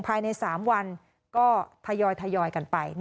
ภายใน๓วันก็ทยอยกันไป